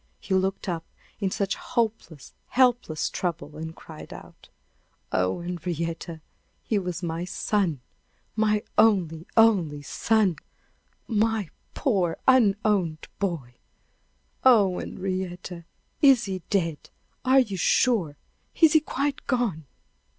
He looked up in such hopeless, helpless trouble, and cried out: "Oh, Henrietta! he was my son my only, only son! My poor, unowned boy! Oh, Henrietta! is he dead? Are you sure? Is he quite gone?"